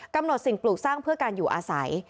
สิ่งปลูกสร้างเพื่อการอยู่อาศัย